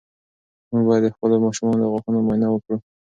موږ باید د خپلو ماشومانو د غاښونو معاینه وکړو.